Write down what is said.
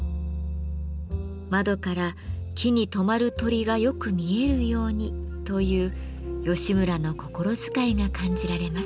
「窓から木に止まる鳥がよく見えるように」という吉村の心遣いが感じられます。